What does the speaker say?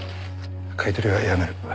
買い取りはやめる。